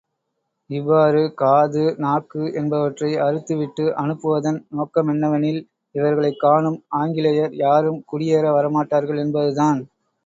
இவ்வாறு காது, நாக்கு என்பவற்றை அறுத்துவிட்டு அனுப்புவதன் நோக்கமென்னவெனில் இவர்களைக் காணும் ஆங்கிலேயர் யாரும் குடியேற வரமாட்டார்கள் என்பதுதான்.